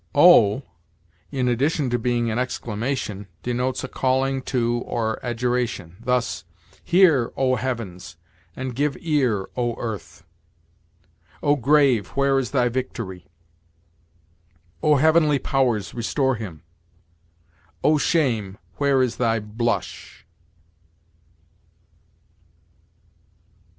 O, in addition to being an exclamation, denotes a calling to or adjuration; thus, "Hear, O heavens, and give ear, O earth!" "O grave, where is thy victory?" "O heavenly powers, restore him!" "O shame! where is thy blush?"